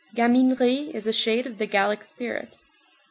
Gaminerie is a shade of the Gallic spirit.